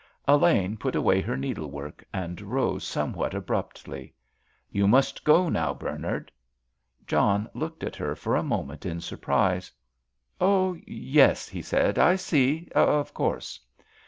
Elaine put away her needlework and rose somewhat abruptly. "You must go now, Bernard." John looked at her for a moment in surprise. "Oh, yes," he said, "I see—of course."